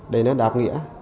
để nó đạt nghĩa